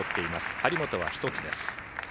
張本は１つです。